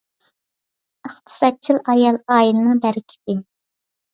ئىقتىسادچىل ئايال — ئائىلىنىڭ بەرىكىتى.